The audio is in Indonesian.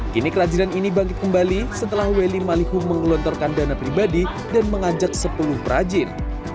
kini kerajinan ini bangkit kembali setelah welly malihu mengelontorkan dana pribadi dan mengajak sepuluh perajin